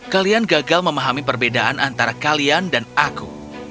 kalian gagal memahami perbedaan antara kalian dan aku